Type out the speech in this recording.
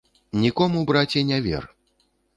Нікому, браце, не вер.